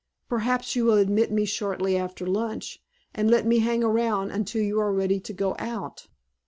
Perhaps you will admit me shortly after lunch and let me hang round until you are ready to go out?"